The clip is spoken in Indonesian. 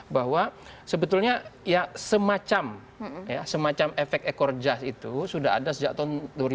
bahwa sebetulnya semacam efek ekor jah itu sudah ada sejak tahun dua ribu sembilan